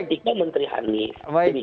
ketika menteri hanis